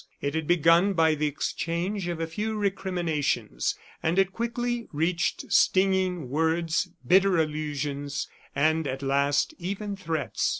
It had begun by the exchange of a few recriminations, and it quickly reached stinging words, bitter allusions, and at last, even threats.